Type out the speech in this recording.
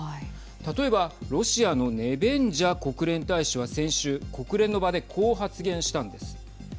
例えば、ロシアのネベンジャ国連大使は先週国連の場でこう発言したんです。